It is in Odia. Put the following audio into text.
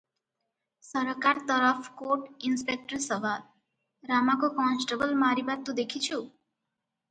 ସରକାର ତରଫ କୋଟ ଇନସ୍ପେକ୍ଟର ସୱାଲ - ରାମାକୁ କନଷ୍ଟବଳ ମାରିବା ତୁ ଦେଖିଛୁ?